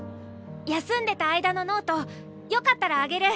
休んでた間のノートよかったらあげる。